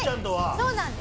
そうなんです。